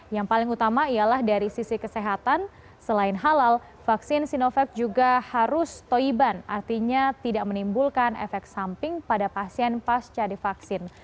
yang paling utama ialah dari sisi kesehatan selain halal vaksin sinovac juga harus toiban artinya tidak menimbulkan efek samping pada pasien pasca divaksin